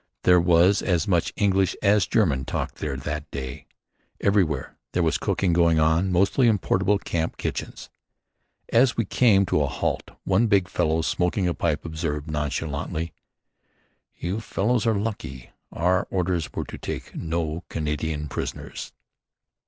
There was as much English as German talked there that day. Everywhere there was cooking going on, mostly in portable camp kitchens. As we came to a halt one big fellow smoking a pipe observed nonchalantly: "You fellows are lucky. Our orders were to take no Canadian prisoners."